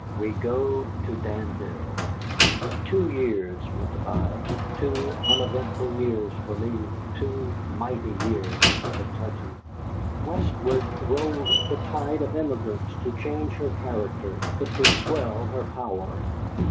WE GO TO DANVILLE Two years went by, two uneventful years for me, two mighty years for Kentucky. Westward rolled the tide of emigrants to change her character, but to swell her power.